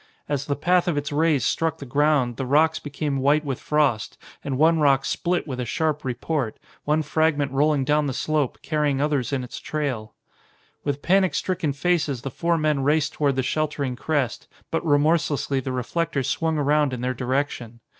As the path of its rays struck the ground the rocks became white with frost and one rock split with a sharp report, one fragment rolling down the slope, carrying others in its trail. With panic stricken faces the four men raced toward the sheltering crest, but remorselessly the reflector swung around in their direction.